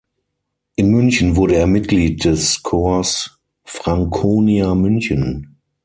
In München wurde er Mitglied des Corps Franconia München.